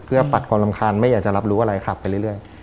เพื่อปัดความรำคาญไม่อยากจะรับรู้อะไรขับไปเรื่อย